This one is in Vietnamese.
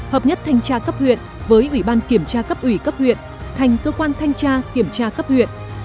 hợp nhất thanh tra cấp huyện với ủy ban kiểm tra cấp ủy cấp huyện thành cơ quan thanh tra kiểm tra cấp huyện